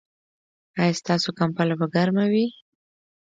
ایا ستاسو کمپله به ګرمه وي؟